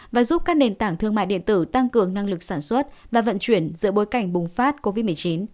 và giúp các nền tảng thương mại điện tử tăng cường năng lực sản xuất và vận chuyển giữa bối cảnh bùng phát covid một mươi chín